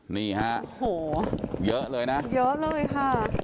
นี่ห๊ะเยอะเลยนะเยอะเลยค่ะ